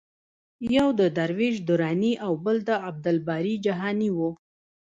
یو د درویش دراني او بل د عبدالباري جهاني و.